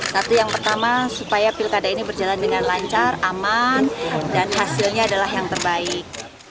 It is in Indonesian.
satu yang pertama supaya pilkada ini berjalan dengan lancar aman dan hasilnya adalah yang terbaik